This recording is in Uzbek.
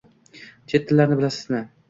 - Chet tillarini bilasizmi?